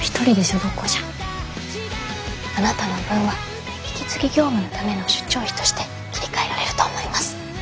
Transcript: あなたの分は引き継ぎ業務のための出張費として切り替えられると思います。